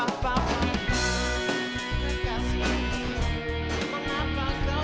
gak bisa hidup tanpa kamu